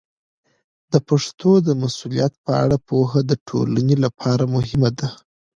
د پښتو د مسوولیت په اړه پوهه د ټولنې لپاره مهمه ده.